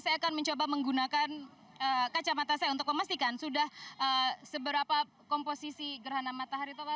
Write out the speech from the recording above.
saya akan mencoba menggunakan kacamata saya untuk memastikan sudah seberapa komposisi gerhana matahari total